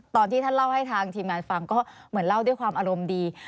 ตอนที่ท่านเล่าให้ทางทีมงานฟังก็เหมือนเล่าด้วยความอารมณ์ดี